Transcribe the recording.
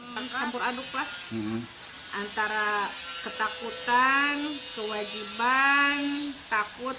mencampur aduk lah antara ketakutan kewajiban takut